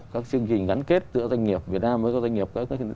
các chương trình gắn kết giữa doanh nghiệp việt nam với các doanh nghiệp